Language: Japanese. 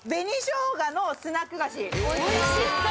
おいしそう！